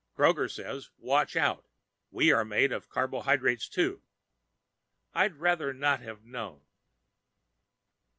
Kroger says watch out. We are made of carbohydrates, too. I'd rather not have known.